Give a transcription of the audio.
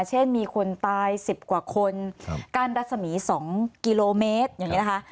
เช่นมีคนตาย๑๐กว่าคนกั้นรัศมี๒กิโลเมตรอย่างนี้นะคะ